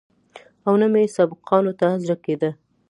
او نه مې سبقانو ته زړه کېده.